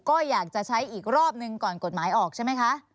ก็อยากจะใช้อีกรอบหนึ่งก่อนกฎหมายออกใช่ไหมคะ